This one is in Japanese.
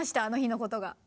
あの日のことが。